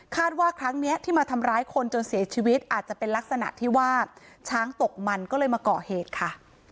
ว่าครั้งนี้ที่มาทำร้ายคนจนเสียชีวิตอาจจะเป็นลักษณะที่ว่าช้างตกมันก็เลยมาก่อเหตุค่ะ